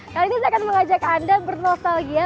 kali ini saya akan mengajak anda bernostalgia